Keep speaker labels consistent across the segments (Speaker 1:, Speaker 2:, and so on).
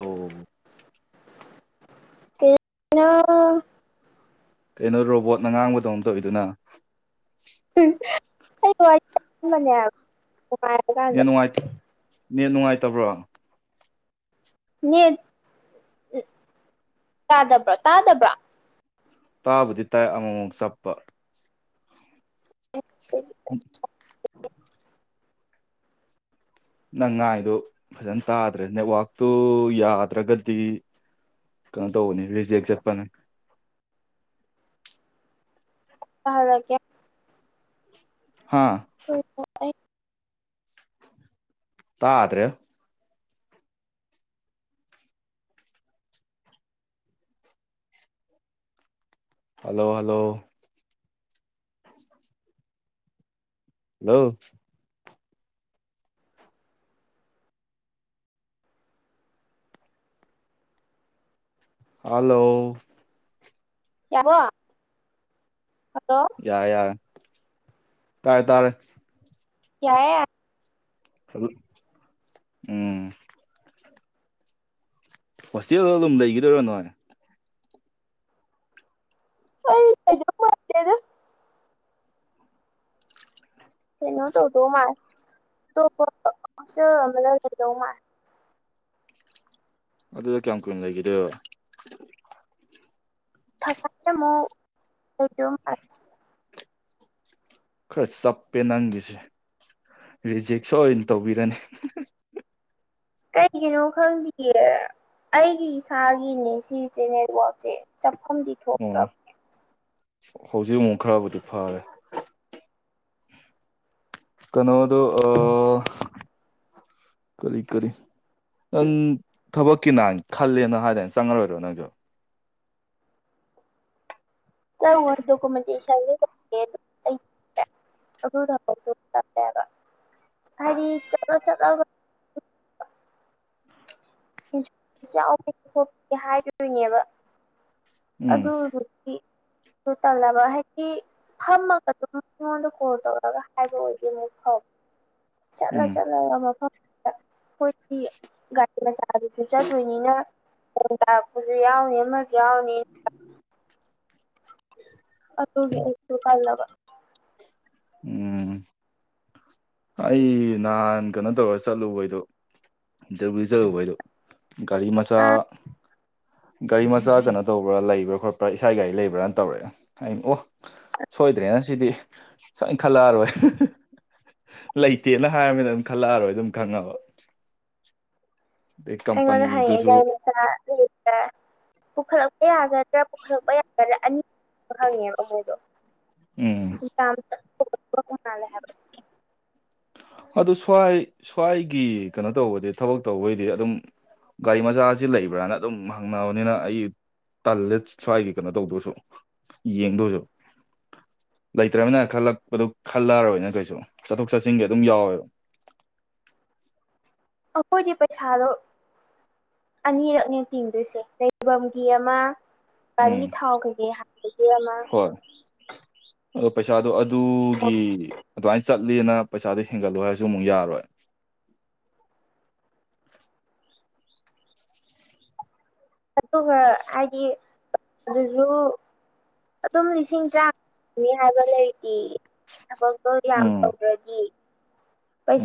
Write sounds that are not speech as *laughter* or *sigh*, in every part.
Speaker 1: ꯑꯣ
Speaker 2: ꯀꯩꯅ
Speaker 1: ꯀꯩꯅꯣ ꯔꯣꯕꯣꯠꯅ ꯉꯥꯡꯕꯗꯧ ꯇꯧꯋꯤꯗꯨꯅ
Speaker 2: ꯑꯩ ꯋꯥꯔꯤꯅꯦꯕ
Speaker 1: ꯅꯅꯨꯡꯉꯥꯏ ꯅ ꯅꯨꯡꯉꯥꯏꯇꯕ꯭ꯔꯣ
Speaker 2: ꯅꯦ ꯇꯥꯗꯕ꯭ꯔꯣ ꯇꯥꯗꯕ꯭ꯔꯥ
Speaker 1: ꯇꯥꯕꯨꯗꯤ ꯇꯥꯏ ꯑꯃꯨꯃꯨꯛ ꯆꯞꯄ ꯅꯪ ꯉꯥꯏꯗꯣ ꯐꯖꯅ ꯇꯥꯗ꯭ꯔꯦ ꯅꯦꯠꯋꯥꯛꯇꯨ ꯌꯥꯗ꯭ꯔꯒꯗꯤ ꯀꯩꯅꯣ ꯇꯧꯕꯅꯤ ꯔꯤꯖꯦꯛ ꯆꯠꯄꯅꯦ
Speaker 2: ꯐ ꯂꯒꯦ
Speaker 1: ꯍꯥꯥ
Speaker 2: ꯀ
Speaker 1: ꯇꯥꯗ꯭ꯔꯦ ꯍꯜꯂꯣ ꯍꯜꯂꯣ ꯍꯂꯣ ꯍꯂꯣ
Speaker 2: ꯌꯥꯕꯣ ꯍꯜꯂꯣ
Speaker 1: ꯌꯥꯔꯦ ꯌꯥꯔꯦ ꯇꯥꯔꯦ ꯇꯥꯔꯦ
Speaker 2: ꯌꯥꯔꯦ
Speaker 1: ꯆꯂ ꯎꯝ ꯍꯣꯁꯇꯦꯜꯗ ꯑꯗꯨꯝ ꯂꯩꯈꯤꯗꯣꯏꯔꯣ ꯅꯣꯏ
Speaker 2: ꯑꯩ ꯂꯩꯗꯤ ꯃꯟꯗꯦꯗꯥ
Speaker 1: *inaudible*
Speaker 2: ꯀꯩꯅꯣ ꯇꯧꯗꯧ ꯃꯥꯜꯂꯦ ꯑꯇꯣꯞꯄ ꯍꯣꯁꯇ꯭ꯦꯜ ꯑꯃꯗ ꯂꯩꯗꯧ ꯃꯥꯜꯂꯦ
Speaker 1: ꯑꯗꯨꯗ ꯀꯌꯥꯝ ꯀꯨꯏꯅ ꯂꯩꯈꯤꯒꯗꯣꯏꯕ
Speaker 2: ꯊꯈꯥꯏ ꯃꯨꯛ ꯂꯩꯗꯧ ꯃꯥꯜꯂꯦ
Speaker 1: ꯈꯔ ꯆꯞꯄꯦ ꯅꯪꯒꯤꯁꯦ ꯔꯤꯖꯦꯛꯁꯨ ꯑꯣꯏꯅ ꯇꯧꯕꯤꯔꯅꯤ
Speaker 2: ꯀꯩꯒꯤꯅꯣ ꯈꯪꯗꯤꯌꯦ ꯑꯩꯒꯤ ꯏꯁꯥꯒꯤꯅꯦ ꯁꯤꯁꯦ ꯅꯠꯋꯥꯛꯁꯦ ꯆꯠꯐꯝꯗꯤ
Speaker 1: ꯑꯣ
Speaker 2: ꯊꯣꯛꯇ꯭ꯔꯕ
Speaker 1: ꯍꯧꯖꯤꯛ ꯑꯃꯨꯛ ꯈꯔꯕꯨꯗꯤ ꯐꯔꯦ ꯀꯩꯅꯣꯗꯨ ꯑ ꯀꯔꯤ ꯀꯔꯤ ꯅꯪ ꯊꯕꯛꯀꯤꯅꯥ ꯈꯜꯂꯦꯅ ꯍꯥꯏꯗꯅ ꯆꯪꯉꯔꯣꯏꯗꯔꯣ ꯅꯪꯁꯨ
Speaker 2: ꯆ ꯗꯣ ꯑꯗꯨꯕ ꯍꯥꯏꯗꯤ ꯆꯠꯂ ꯆꯠꯂ ꯁ ꯍꯥꯏꯗꯣꯏꯅꯦꯕ
Speaker 1: ꯎꯝ
Speaker 2: ꯑꯗꯨꯕꯨ ꯇꯜꯂꯕ ꯍꯥꯏꯗꯤ ꯐꯝꯃꯒ ꯑꯗꯨꯝ ꯑꯩꯉꯣꯟꯗ ꯀꯣꯜ ꯇꯧꯔꯒ ꯍꯥꯏꯕ ꯑꯣꯏꯗꯤ ꯑꯃꯨꯛ ꯐꯥꯕ ꯆꯠꯂ
Speaker 1: ꯎꯝ
Speaker 2: ꯆꯠꯂꯒ ꯃꯐꯝꯗ ꯑꯩꯈꯣꯏꯒꯤꯒꯥ ꯃꯆꯥꯗꯨꯁꯨ ꯆꯠꯇꯣꯏꯅꯤꯅ ꯐꯣꯟ ꯇꯥꯔꯛꯄꯁꯨ ꯌꯥꯎꯅꯤ ꯑꯃꯁꯨ ꯌꯥꯎꯅꯤ ꯑꯗꯨꯒꯤ ꯑꯩꯁꯨ ꯈꯟꯂꯕꯥ
Speaker 1: ꯎꯝ ꯑꯩ ꯅꯍꯥꯟ ꯀꯩꯅꯣ ꯇꯧꯔꯒ ꯆꯠꯂꯨꯕꯩꯗꯨ ꯏꯟꯇꯔꯕꯤꯎ ꯆꯠꯂꯨꯕꯩꯗꯨ ꯒꯥꯔꯤ ꯃꯆꯥꯥ
Speaker 2: ꯑꯥ
Speaker 1: ꯒꯥꯔꯤ ꯃꯆꯥ ꯀꯩꯅꯣ ꯇꯧꯕ꯭ꯔꯥ ꯂꯩꯕ꯭ꯔꯥ ꯈꯣꯠꯄ꯭ꯔꯥ ꯏꯁꯥ ꯒꯥꯔꯤ ꯂꯩꯕ꯭ꯔꯥꯅ ꯇꯧꯔꯛꯑꯦ ꯑꯩꯅ ꯑꯣ ꯁꯣꯏꯗ꯭ꯔꯦꯅ ꯁꯤꯗꯤ ꯁꯣꯏꯅ ꯈꯜꯂꯛꯑꯔꯣꯏ ꯂꯩꯇꯦꯅ ꯍꯥꯏꯔꯝꯃꯤꯅ ꯑꯗꯨꯝ ꯈꯜꯂꯛꯑꯔꯣꯏ ꯑꯗꯨꯝ ꯈꯪꯉꯕ ꯑꯗꯩ
Speaker 2: ꯑꯩꯉꯣꯟꯅ ꯍꯪꯉꯦ
Speaker 1: ꯀꯝꯄꯅꯤꯗꯨꯁꯨ
Speaker 2: ꯒꯥꯔꯤ ꯃꯆꯥ ꯂꯩꯕꯔꯥꯅꯥ ꯄꯨꯈꯠꯂꯛꯄ ꯌꯥꯒꯗ꯭ꯔꯥ ꯄꯨꯈꯠꯂꯛꯄ ꯌꯥꯒꯗ꯭ꯔꯥ ꯑꯅꯤ ꯍꯪꯉꯦꯕ ꯃꯣꯏꯗꯣ
Speaker 1: ꯎꯝ
Speaker 2: ꯑꯦꯛꯖꯝ ꯍꯥꯏꯕ꯭ꯔ
Speaker 1: ꯑꯗꯨ ꯁ꯭ꯋꯥꯏ ꯁ꯭ꯋꯥꯏꯒꯤ ꯀꯩꯅꯣ ꯇꯧꯕꯗꯤ ꯊꯕꯛ ꯇꯧꯕꯩꯗꯤ ꯑꯗꯨꯝ ꯒꯥꯔꯤ ꯃꯆꯥꯁꯤ ꯂꯩꯕ꯭ꯔꯥꯅ ꯑꯗꯨꯝ ꯍꯪꯅꯕꯅꯤꯅ ꯑꯩ ꯇꯜꯂꯦ ꯁ꯭ꯋꯥꯏꯒꯤ ꯀꯩꯅꯣ ꯇꯧꯗꯣꯏꯁꯨ ꯌꯦꯡꯗꯣꯏꯁꯨ ꯂꯩꯇ꯭ꯔꯅꯤꯅ ꯈꯜꯂꯛꯄꯗꯨ ꯈꯜꯂꯔꯣꯏꯅ ꯀꯩꯁꯨ ꯆꯠꯊꯣꯛ ꯆꯠꯁꯤꯟꯒꯤ ꯑꯗꯨꯝ ꯌꯥꯎꯋꯦꯕ
Speaker 2: ꯑꯈꯣꯢꯒꯤ ꯄꯩꯁꯥꯗꯣ ꯑꯅꯤꯔꯛꯅꯦ ꯇꯤꯡꯗꯣꯏꯁꯦ ꯂꯩꯐꯝꯒꯤ ꯑꯃ
Speaker 1: ꯎꯝ
Speaker 2: ꯒꯥꯔꯤ ꯊꯥꯎ ꯀꯩꯀꯩ ꯍꯄꯒꯤ ꯑꯃ
Speaker 1: ꯍꯣꯏ *inaudible* ꯑꯗꯣ ꯄꯩꯁꯥꯗꯣ ꯑꯗꯨꯒꯤ ꯑꯗꯨꯃꯥꯏꯅ ꯆꯠꯂꯅ ꯄꯩꯁꯥꯗꯣ ꯍꯦꯟꯒꯠꯂꯣ ꯍꯥꯏꯔꯁꯨ ꯑꯃꯨꯛ ꯌꯥꯔꯣꯏ
Speaker 2: ꯑꯗꯨꯒ ꯍꯥꯏꯗꯤ ꯑꯗꯨꯁꯨ ꯑꯗꯨꯝ ꯂꯤꯁꯤꯡ ꯇꯔꯥꯅꯤ ꯍꯥꯏꯕ ꯂꯩꯇꯦ ꯊꯕꯛꯇꯣ ꯌꯥꯝ
Speaker 1: ꯎꯝ
Speaker 2: ꯇꯧꯗ꯭ꯔꯗꯤ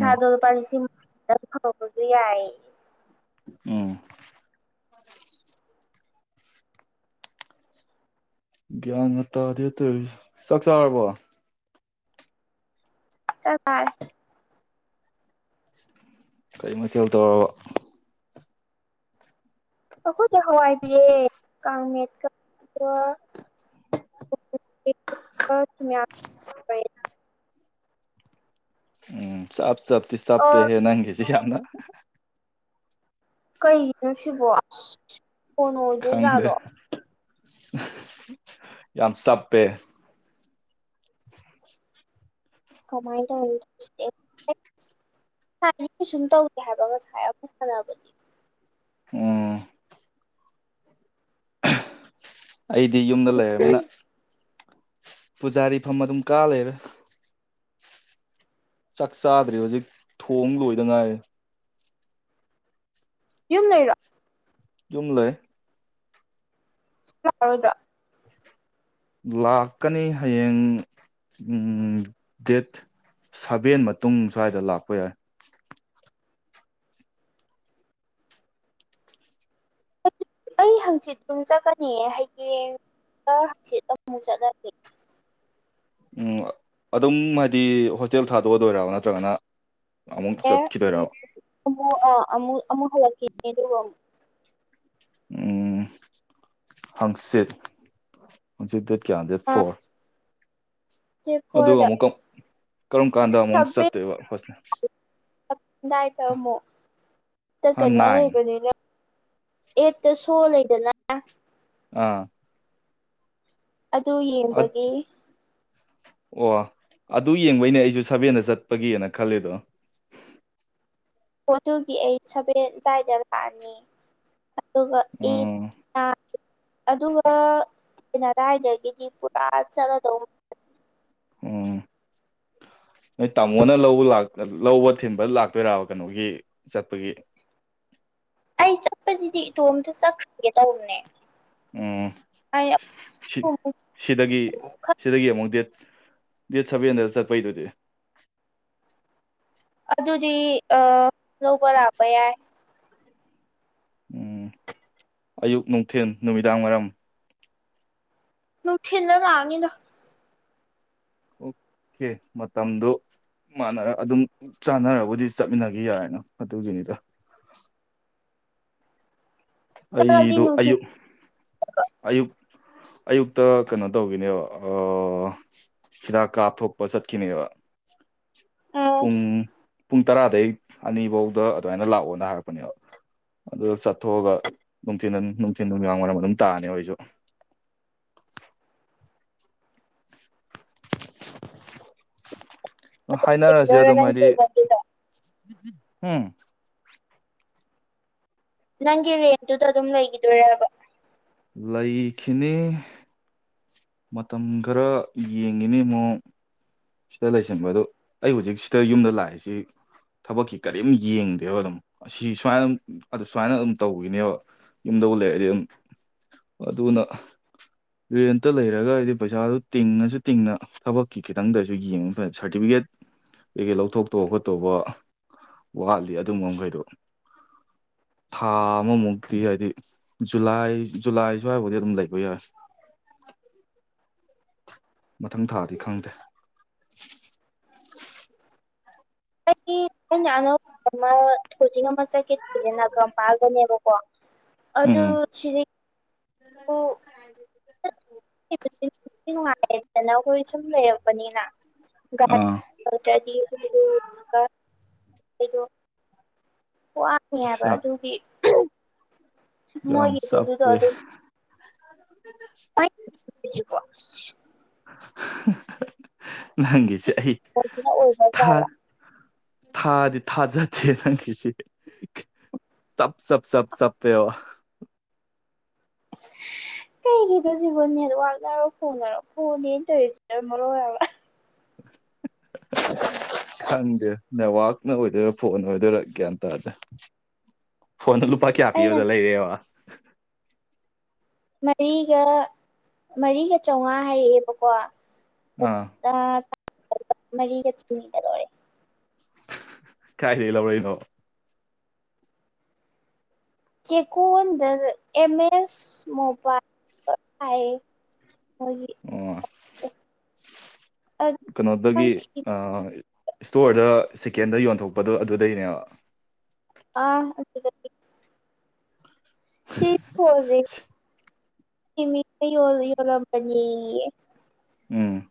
Speaker 1: ꯎꯝ
Speaker 2: ꯂꯨꯄꯥ ꯂꯤꯁꯤꯡ ꯑꯗꯨ ꯌꯥꯢꯌꯦ
Speaker 1: ꯎꯝ ꯒ꯭ꯌꯥꯟ ꯉꯥ ꯇꯥꯗꯦ ꯇꯧꯔꯤꯁꯤ ꯆꯥꯛ ꯆꯥꯔꯕꯣ
Speaker 2: ꯆꯥ ꯆꯥꯔꯦ
Speaker 1: ꯀꯔꯤ ꯃꯩꯊꯦꯜ ꯇꯧꯔꯕ
Speaker 2: ꯑꯩꯈꯣꯏꯗꯤ ꯍꯋꯥꯏꯕꯤꯔꯦ ꯀꯥꯡ ꯃꯦꯠꯀ *unintelligible*
Speaker 1: ꯎꯝ ꯆꯞ ꯆꯞꯇꯤ ꯆꯞꯄꯦ
Speaker 2: ꯑꯣ
Speaker 1: ꯍꯦ ꯅꯪꯒꯤꯁꯤ ꯌꯥꯝꯅ
Speaker 2: ꯀꯩꯅꯣ ꯁꯤꯕꯣ ꯐꯣꯟ
Speaker 1: ꯈꯪꯗꯦ
Speaker 2: ꯑꯣꯏꯗꯣꯏꯖꯥꯠꯂꯣ
Speaker 1: ꯌꯥꯝ ꯆꯞꯄꯦ
Speaker 2: ꯀꯃꯥꯏ ꯇꯧ ꯑꯦ *unintelligible* ꯁꯨꯝ ꯇꯧꯗꯦ ꯍꯥꯏꯕ ꯉꯁꯥꯏ ꯑꯩꯈꯣꯏ ꯁꯥꯟꯅꯕꯅꯤ
Speaker 1: ꯎꯝ ꯑꯩꯗꯤ ꯌꯨꯝꯗ ꯂꯩꯔꯕꯃꯤꯅ ꯄꯨꯖꯥꯔꯤ ꯐꯝ ꯑꯗꯨꯝ ꯀꯥ ꯂꯩꯔꯦ ꯆꯥꯛ ꯆꯥꯗ꯭ꯔꯤ ꯍꯧꯖꯤꯛ ꯊꯣꯡ ꯂꯣꯏꯗ ꯉꯥꯏꯔꯤ
Speaker 2: ꯌꯨꯝ ꯂꯩꯔꯣ
Speaker 1: ꯌꯨꯝ ꯂꯩ
Speaker 2: ꯂꯥꯔꯣꯢꯗꯣ
Speaker 1: ꯂꯥꯛꯀꯅꯤ ꯍꯌꯦꯡ ꯎꯝ ꯗꯦꯠ ꯁꯚꯦꯟ ꯃꯇꯨꯡ ꯁ꯭ꯋꯥꯏꯗ ꯂꯥꯛꯄ ꯌꯥꯏ
Speaker 2: ꯑꯩ ꯍꯪꯆꯤꯠ ꯑꯗꯨꯝ ꯆꯠꯀꯅꯤꯌꯦ ꯍꯌꯦꯡ ꯍꯥꯡꯆꯤꯠꯂ ꯑꯃ ꯆꯠꯂꯅꯤ
Speaker 1: ꯎꯝ ꯑꯗꯨꯝ ꯍꯥꯏꯗꯤ ꯍꯣꯁꯇꯦꯜ ꯊꯥꯗꯣꯛꯔꯗꯣꯢꯔ ꯅꯠꯇ꯭ꯔꯒꯅ ꯑꯃꯨꯛ
Speaker 2: ꯑꯦ ꯎꯝ
Speaker 1: ꯆꯠꯈꯤꯗꯣꯏꯔꯕ
Speaker 2: ꯑꯃꯨꯛ ꯑ ꯑꯃꯨꯛ ꯑꯃꯨꯛ ꯍꯜꯂꯛꯈꯤꯅꯦ ꯑꯗꯨꯒ ꯑꯃꯨꯛ
Speaker 1: ꯎꯝ ꯍꯪꯆꯤꯠ ꯍꯪꯆꯤꯠ ꯗꯦꯠ ꯀꯌꯥ ꯗꯦꯠ ꯐꯣꯔ
Speaker 2: ꯗꯦꯠ
Speaker 1: ꯑꯗꯨꯒ
Speaker 2: ꯐꯣꯔꯗ
Speaker 1: ꯑꯃꯨꯛ ꯀꯔꯝ ꯀꯥꯟꯗ
Speaker 2: ꯏꯇ
Speaker 1: ꯑꯃꯨꯛ ꯆꯠꯇꯣꯏꯕ
Speaker 2: ꯃꯣ *unintelligible* ꯇ
Speaker 1: ꯍ
Speaker 2: ꯀꯩꯅꯣ
Speaker 1: ꯅꯥꯏꯟ
Speaker 2: ꯂꯩꯕꯅꯤꯅ ꯑꯦꯠꯇ ꯁꯣ ꯂꯩꯗꯅ
Speaker 1: ꯑꯥ
Speaker 2: ꯑꯗꯨ ꯌꯦꯡꯕꯒꯤ
Speaker 1: ꯑꯣ ꯑꯗꯨ ꯌꯦꯡꯕꯩꯅꯦ ꯑꯩꯁꯨ ꯁꯕꯦꯟꯗ ꯆꯠꯄꯒꯤꯅ ꯈꯜꯂꯦꯗꯣ
Speaker 2: ꯍꯣ ꯗꯨꯒꯤ ꯑꯩ ꯁꯚꯦꯟ ꯑꯗꯨꯋꯥꯏꯗ ꯂꯥꯛꯑꯅꯤ ꯑꯗꯨꯒ
Speaker 1: ꯎꯝ
Speaker 2: ꯢꯅ ꯑꯗꯨꯒꯗꯥꯏꯗꯒꯤꯗꯤ ꯄꯨꯔꯥ ꯆꯠꯂꯗꯧ
Speaker 1: ꯎꯝ ꯅꯣꯏ ꯇꯥꯃꯣꯅ ꯂꯧꯕ ꯂꯥꯛ ꯂꯧꯕ ꯊꯤꯟꯕ ꯂꯥꯛꯇꯣꯏꯔꯕ ꯀꯩꯅꯣꯒꯤ ꯆꯠꯄꯒꯤ
Speaker 2: ꯑꯩ ꯆꯠꯄꯁꯤꯗꯤ ꯏꯇꯣꯝꯇ ꯆꯠꯈ꯭ꯔꯒꯦ ꯇꯧꯕꯅꯦ
Speaker 1: ꯎ
Speaker 2: ꯑꯩ ꯑꯃꯨꯛ
Speaker 1: ꯁꯤ
Speaker 2: ꯑꯃꯨꯛ
Speaker 1: ꯁꯤꯗꯒꯤ ꯁꯤꯗꯒꯤ ꯑꯃꯨꯛ ꯗꯦꯠ ꯗꯦꯠ ꯁꯕꯦꯟꯗ ꯆꯠꯄꯩꯗꯨꯗꯤ
Speaker 2: ꯑꯗꯨꯗꯤ ꯑ ꯅꯕꯔ ꯍꯥꯕ ꯌꯥꯏ
Speaker 1: ꯎꯝ ꯑꯌꯨꯛ ꯅꯨꯡꯊꯜ ꯅꯨꯃꯤꯗꯥꯡꯋꯥꯏꯔꯝ
Speaker 2: ꯅꯨ ꯊꯤꯜꯅꯒꯥꯅꯤꯗ
Speaker 1: ꯑꯣꯀꯦ ꯃꯇꯝꯗꯨꯣ ꯃꯥꯟꯅꯔ ꯑꯗꯨꯝ ꯆꯥꯟꯅꯔꯕꯨꯗꯤ ꯆꯠꯃꯤꯟꯅꯈꯤ ꯌꯥꯔꯦꯅ ꯑꯗꯨꯒꯤꯅꯤꯗ
Speaker 2: ꯆꯠꯂꯗꯤ
Speaker 1: ꯑꯩꯗꯨ ꯑꯌꯨ
Speaker 2: ꯅꯨꯡꯊꯤꯟ
Speaker 1: ꯑꯌꯨ ꯑꯌꯨꯛꯇ ꯀꯩꯅꯣ ꯇꯧꯈꯤꯅꯦꯕ ꯑ ꯍꯤꯗꯥꯛ ꯀꯥꯞꯊꯣꯛꯄ ꯆꯠꯈꯤꯅꯦꯕ
Speaker 2: ꯎꯝ
Speaker 1: ꯄꯨꯡ ꯄꯨꯡ ꯇꯔꯥꯗꯒꯤꯩ ꯑꯅꯤꯐꯧꯗ ꯑꯗꯨꯃꯥꯏꯅ ꯂꯥꯛꯑꯣꯅ ꯍꯥꯏꯔꯛꯄꯅꯦꯕ ꯑꯗꯨ ꯆꯠꯊꯣꯛꯑꯒ ꯅꯨꯡꯊꯤꯟ ꯅꯨꯡꯊꯤꯟ ꯅꯨꯃꯤꯗꯥꯡ ꯋꯥꯏꯔꯝ ꯑꯗꯨꯝ ꯇꯥꯔꯅꯤ ꯑꯩꯏꯁꯨ ꯍꯥꯏꯅꯔꯁꯦ
Speaker 2: ꯂꯩꯒꯗꯣꯏꯔꯥ
Speaker 1: ꯑꯗꯨꯝ
Speaker 2: ꯅꯪꯒꯤ
Speaker 1: ꯍꯥꯏꯗꯤ
Speaker 2: ꯂꯩꯐꯝꯗꯨꯗ
Speaker 1: ꯎꯝ
Speaker 2: ꯅꯪꯒꯤ ꯔꯦꯟꯠꯇꯨꯗ ꯑꯗꯨꯝ ꯂꯩꯈꯤꯗꯣꯏꯣꯔꯕ
Speaker 1: ꯂꯩꯈꯤꯅꯤ ꯃꯇꯝ ꯈꯔ ꯌꯦꯡꯉꯤꯅꯦ ꯏ ꯑꯃꯨꯛ ꯁꯤꯗ ꯂꯩꯁꯟꯕ ꯑꯗꯣ ꯑꯩ ꯍꯧꯖꯤꯛ ꯁꯤꯗ ꯌꯨꯝꯗ ꯂꯥꯛꯏꯁꯤ ꯊꯕꯛꯀꯤ ꯀꯔꯤꯝ ꯌꯦꯡꯗꯦꯕ ꯑꯗꯨꯝ ꯑꯁꯤ ꯁꯨꯃꯥꯏꯅ ꯑꯗꯨꯝ ꯑꯗꯨ ꯁꯨꯃꯥꯏꯅ ꯑꯗꯨꯝ ꯇꯧꯈꯤꯅꯦꯕ ꯌꯨꯝꯗ ꯂꯩꯑꯗꯤ ꯑꯗꯨꯝ ꯑꯗꯨꯅ ꯔꯦꯟꯇ ꯂꯩꯔꯒ ꯍꯥꯏꯗꯤ ꯄꯩꯁꯥꯗꯨ ꯇꯤꯡꯉꯁꯨ ꯇꯤꯡꯅ ꯊꯕꯛꯀꯤ ꯈꯤꯇꯪꯗꯔꯁꯨ ꯌꯦꯡꯉꯕ ꯃꯇꯝꯗ ꯁꯥꯔꯇꯤꯐꯤꯀꯦꯠ ꯀꯩꯀꯩ ꯂꯧꯊꯣꯛꯇꯧꯕ ꯈꯣꯠꯇꯧꯕ ꯋꯥꯠꯂꯤ ꯑꯗꯨꯝꯕ ꯃꯈꯈꯩꯗꯣ ꯊꯥ ꯑꯃꯃꯨꯛꯇꯤ ꯍꯥꯏꯗꯤ ꯖꯨꯂꯥꯏ ꯖꯨꯂꯥꯏ ꯁ꯭ꯋꯥꯏꯕꯨꯗꯤ ꯑꯗꯨꯝ ꯂꯩꯕ ꯌꯥꯏ ꯃꯊꯪ ꯊꯥꯗꯤ ꯈꯪꯗꯦ
Speaker 2: ꯅꯣ ꯍꯧꯖꯤꯛ ꯑꯃ ꯆꯀꯦꯠꯁꯦ ꯅꯥꯀꯝ ꯄꯥꯑꯒꯅꯦꯕꯀꯣ
Speaker 1: ꯎꯝ
Speaker 2: ꯑꯗꯨꯗ ꯁꯤꯔꯤ
Speaker 1: *unintelligible*
Speaker 2: ꯅꯨꯡꯉꯥꯏꯔꯦꯗꯅ ꯑꯩꯈꯣꯏ ꯁꯨꯝ ꯂꯩꯔꯝꯕꯅꯤꯅ
Speaker 1: ꯑꯥ
Speaker 2: ꯒꯔꯤ *inaudible* ꯍꯥꯏꯕ
Speaker 1: ꯑꯁ ꯌꯥꯝ
Speaker 2: ꯑꯗꯨꯒꯤ
Speaker 1: ꯌꯥꯝ
Speaker 2: ꯃꯣꯏꯒꯤꯗꯨꯗꯨꯗꯣ
Speaker 1: ꯆꯞꯄꯦ
Speaker 2: ꯑꯗꯨꯝ *inaudible*
Speaker 1: ꯅꯪꯒꯤꯁꯦ ꯑꯩ
Speaker 2: ꯃꯁꯅ ꯑꯣꯕ
Speaker 1: ꯊꯥ
Speaker 2: ꯆꯂ *inaudible*
Speaker 1: ꯊꯥꯗꯤ ꯊꯥꯖꯗꯦ ꯅꯪꯒꯤꯁꯦ ꯁꯞ ꯁꯞ ꯁꯞ ꯁꯞ ꯄꯦꯕ
Speaker 2: ꯀꯔꯤꯒꯤ ꯁꯤꯕꯨ ꯅꯦꯠꯋꯥꯛꯅꯔꯣ ꯐꯣꯟꯅꯔꯣ ꯐꯣꯟꯅꯦꯅ ꯇꯧꯔꯤꯁꯤꯅ ꯃꯔꯣꯟ ꯑꯃ
Speaker 1: ꯈꯪꯗꯦ ꯅꯦꯠꯋꯥꯛꯅ ꯑꯣꯏꯗꯣꯏꯔꯥ ꯐꯣꯟꯅ ꯑꯣꯏꯗꯣꯏꯔꯥ ꯒ꯭ꯌꯥꯟ ꯇꯥꯗꯦ ꯐꯣꯟꯗꯣ ꯂꯨꯄꯥ ꯀꯌꯥ
Speaker 2: ꯑꯩ
Speaker 1: ꯄꯤꯕꯗ
Speaker 2: ꯉꯁ
Speaker 1: ꯂꯩꯔꯦꯕ
Speaker 2: ꯃꯔꯤꯒ ꯃꯔꯤꯒ ꯆꯥꯝꯃꯉꯥ ꯍꯥꯏꯔꯛꯑꯦꯕꯀꯣ
Speaker 1: ꯑꯥ
Speaker 2: ꯃꯔꯤꯒ ꯆꯅꯤꯒ ꯂꯣꯏꯔꯛꯑꯦ
Speaker 1: ꯀꯥꯏꯗꯩ ꯂꯧꯔꯛꯏꯅꯣꯕ
Speaker 2: ꯆꯦꯀꯣꯟꯗ ꯑꯦꯝ ꯑꯦꯁ ꯃꯣꯕꯥꯏꯜ ꯍꯥꯏꯌꯦ ꯍꯥꯏꯒꯤ
Speaker 1: ꯑꯣ
Speaker 2: ꯑ *unintelligible*
Speaker 1: ꯀꯩꯅꯣꯗꯒꯤ ꯏꯁꯇꯣꯔꯗ ꯆꯤꯀꯦꯟꯗ ꯌꯣꯟꯊꯣꯛꯄꯗꯣ ꯑꯗꯨꯗꯩꯅꯦꯕ
Speaker 2: ꯑꯥ ꯁꯤ ꯌ *inaudible*
Speaker 1: ꯎꯝ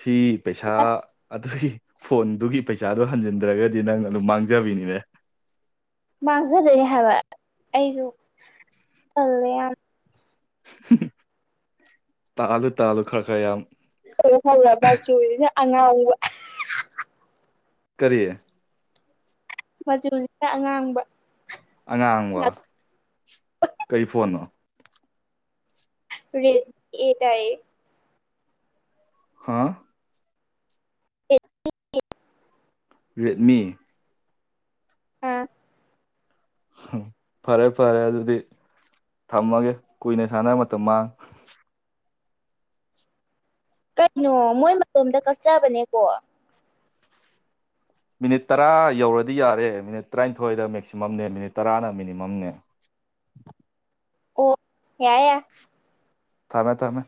Speaker 1: ꯁꯤ ꯄꯩꯁꯥ
Speaker 2: ꯑꯁ
Speaker 1: ꯑꯗꯨꯒꯤ ꯐꯣꯟꯗꯨꯒꯤ ꯄꯩꯁꯥꯗꯣ ꯍꯟꯖꯤꯟꯗ꯭ꯔꯒꯗꯤ ꯅꯪꯅ ꯑꯗꯨꯝ ꯃꯥꯡꯖꯕꯤꯅꯤꯅꯦ
Speaker 2: ꯃꯥꯡꯖꯗꯣꯏꯅꯦ ꯍꯥꯏꯕ ꯑꯩꯖꯨ ꯇꯜꯂꯦ ꯌꯥꯝ
Speaker 1: ꯇꯥꯜꯂꯨ ꯇꯥꯜꯂꯨ ꯈꯔ ꯈꯔ ꯌꯥꯝ
Speaker 2: ꯍꯧꯔꯕꯥꯏ ꯃꯆꯨꯖꯤꯅ ꯑꯉꯥꯡꯕ *inaudible*
Speaker 1: ꯀꯔꯤ
Speaker 2: ꯃꯆꯨꯁꯤꯅ ꯑꯉꯥꯡꯕ
Speaker 1: ꯑꯉꯥꯡꯕ ꯀꯩ ꯐꯣꯟꯅꯣ
Speaker 2: ꯔꯦꯠ ꯑꯦ ꯗꯥꯏꯌꯦ
Speaker 1: ꯍꯥꯥ
Speaker 2: ꯑꯦ
Speaker 1: ꯔꯦꯠꯃꯤ
Speaker 2: ꯑꯥ
Speaker 1: ꯍꯨꯝ ꯐꯔꯦ ꯐꯔꯦ ꯑꯗꯨꯗꯤ ꯊꯝꯃꯒꯦ ꯀꯨꯏꯅ ꯁꯥꯟꯅꯔ ꯃꯇꯝ ꯃꯥꯡꯅꯕꯅꯤ
Speaker 2: ꯀꯩꯅꯣ ꯃꯣꯏ ꯃꯇꯣꯝꯗ ꯀꯛꯆꯕꯅꯦ ꯀꯣꯜ
Speaker 1: ꯃꯤꯅꯤꯠ ꯇꯔꯥ ꯌꯧꯔꯗꯤ ꯌꯥꯔꯦ ꯃꯤꯅꯤꯠ ꯇꯔꯥꯅꯤꯊꯣꯏꯗ ꯃꯦꯛꯁꯤꯃꯝꯅꯦ ꯃꯤꯅꯤꯠ ꯇꯔꯥꯅ ꯃꯤꯅꯤꯃꯝꯅꯦ
Speaker 2: ꯑꯣ ꯌꯥꯢ ꯌꯥꯢ
Speaker 1: ꯊꯝꯃꯦ ꯊꯝꯃꯦ